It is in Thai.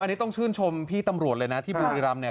อันนี้ต้องชื่นชมพี่ตำรวจเลยนะที่บุรีรำเนี่ย